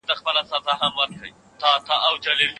ابن خلدون ويلي دي چي ټولنيز ژوند د بشر لپاره طبيعي دی.